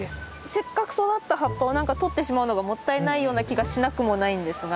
せっかく育った葉っぱを何かとってしまうのがもったいないような気がしなくもないんですが。